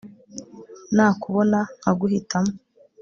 nakubona nkaguhitamo